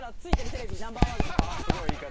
すごい言い方。